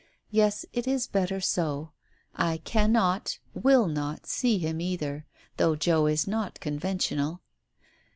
Yes, it is better so. I cannot, will not, see him either — though Joe is not conventional.